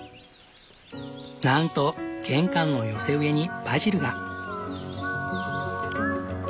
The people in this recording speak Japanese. なんと玄関の寄せ植えにバジルが。